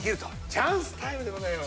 チャンスタイムでございます。